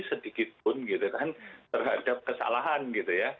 jadi sedikitpun gitu kan terhadap kesalahan gitu ya